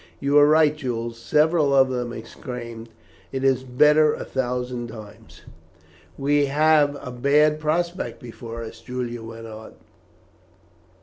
"You are right, Jules," several of them exclaimed. "It is better a thousand times." "We have a bad prospect before us," Julian went on.